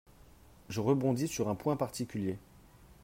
Je rebondis sur un point particulier.